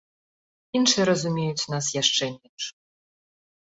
Іншыя разумеюць нас яшчэ менш.